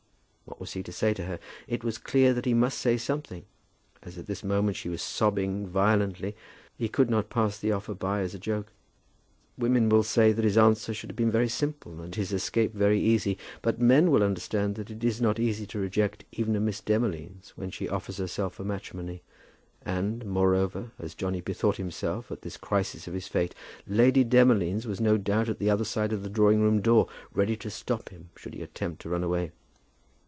What was he to say to her? It was clear that he must say something. As at this moment she was sobbing violently, he could not pass the offer by as a joke. Women will say that his answer should have been very simple, and his escape very easy. But men will understand that it is not easy to reject even a Miss Demolines when she offers herself for matrimony. And, moreover, as Johnny bethought himself at this crisis of his fate, Lady Demolines was no doubt at the other side of the drawing room door, ready to stop him, should he attempt to run away.